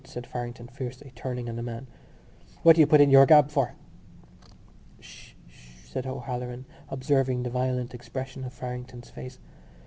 said Farrington fiercely, turning on the man. "What do you put in your gab for?" "Sh, sh!" said O'Halloran, observing the violent expression of Farrington's face.